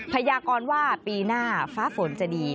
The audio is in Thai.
พยากรว่าปีหน้าฟ้าฝนจะดี